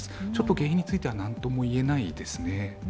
原因についてはなんとも言えないですね。